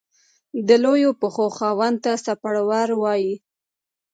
د لويو پښو خاوند ته څپړورے وائي۔